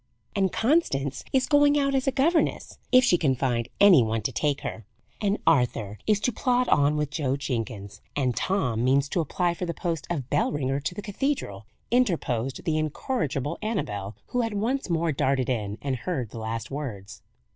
"And Constance is going out as a governess, if she can find any one to take her, and Arthur is to plod on with Joe Jenkins, and Tom means to apply for the post of bell ringer to the cathedral," interposed the incorrigible Annabel, who had once more darted in, and heard the last words.